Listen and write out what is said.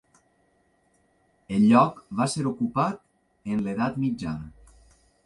El lloc va ser ocupat en l'edat mitjana.